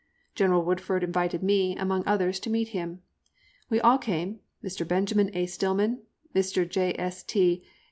General Woodford invited me, among others, to meet him. We all came Mr. Benjamin A. Stillman, Mr. J.S.T.